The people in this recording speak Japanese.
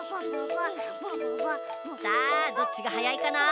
さあどっちがはやいかな？